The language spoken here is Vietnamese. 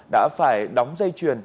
đã phải đóng dây chuyền